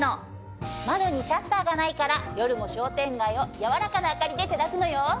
窓にシャッターがないから夜も商店街をやわらかな明かりで照らすのよ。